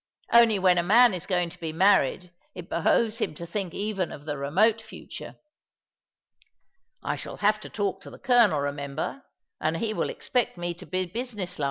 Only when a man is going to be married it behoves him to think even of the remote future. I shall have to talk to the colonel, remember ; and he will expect me to be business like."